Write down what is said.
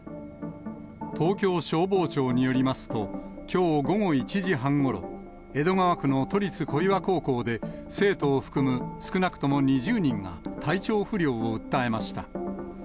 東京消防庁によりますと、きょう午後１時半ごろ、江戸川区の都立小岩高校で、生徒を含む、少なくとも２０人が、体調不良を訴えました。